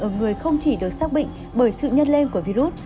ở người không chỉ được xác bệnh bởi sự nhấn lên của virus